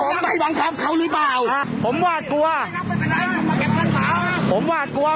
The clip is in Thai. มาบอกว่าการถูกกว่าเขาว่าจะไม่ได้ออกนะคะครับ